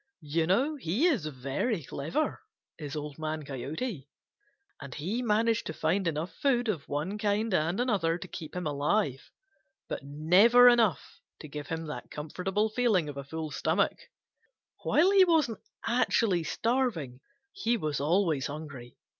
You know he is very clever, is Old Man Coyote, and he managed to find enough food of one kind and another to keep him alive, but never enough to give him that comfortable feeling of a full stomach. While he wasn't actually starving, he was always hungry.